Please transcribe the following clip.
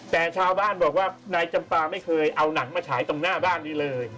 แต่ชาวบ้านบอกว่านายจำปาไม่เคยเอาหนังมาฉายตรงหน้าบ้านนี้เลย